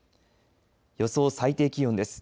予想最低気温です。